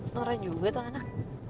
nore juga tuh anak